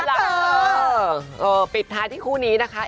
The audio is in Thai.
เออปิดท้ายที่คู่นี้นะคะ